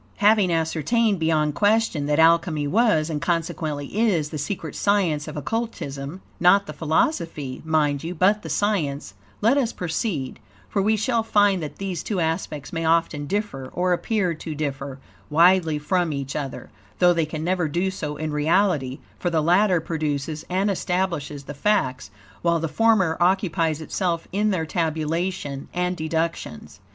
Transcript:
Having ascertained, beyond question, that Alchemy was, and consequently is, the secret science of Occultism not the philosophy, mind you, but the science; let us proceed, for, we shall find that these two aspects may often differ, or appear to differ, widely from each other, though they can never do so in reality, for the latter produces and establishes the facts, while the former occupies itself in their tabulation and deductions.